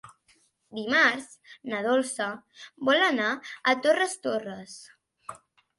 Dimarts na Dolça vol anar a Torres Torres.